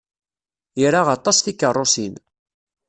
Ira aṭas tikeṛṛusin.